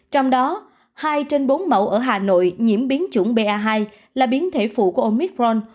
trong đó hai trên bốn mẫu ở hà nội nhiễm biến chủng ba hai là biến thể phụ của omicron